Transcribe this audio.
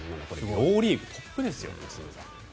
両リーグトップですね。